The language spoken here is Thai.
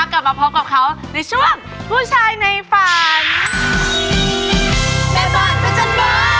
กลับมาพบกับเขาในช่วงผู้ชายในฝัน